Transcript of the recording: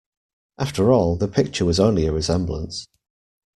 After all, the picture was only a resemblance.